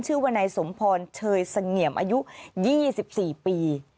ชื่อว่าในสมพรเฉยเสงี่ยมอายุ๒๔ปี